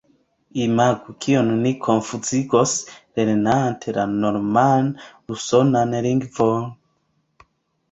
Imagu, kiom ni konfuziĝos, lernante la norman usonan lingvon!